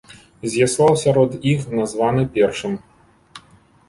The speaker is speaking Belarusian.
Ізяслаў сярод іх названы першым.